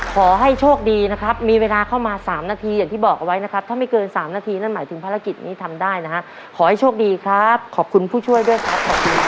ขอให้โชคดีนะครับมีเวลาเข้ามา๓นาทีอย่างที่บอกเอาไว้นะครับถ้าไม่เกิน๓นาทีนั่นหมายถึงภารกิจนี้ทำได้นะฮะขอให้โชคดีครับขอบคุณผู้ช่วยด้วยครับ